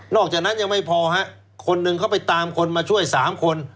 อกจากนั้นยังไม่พอฮะคนหนึ่งเขาไปตามคนมาช่วย๓คน